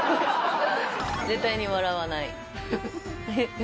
絶対に笑わない。